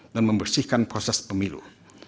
dan membersihkan proses pemilu